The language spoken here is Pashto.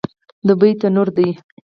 دوبی تنور دی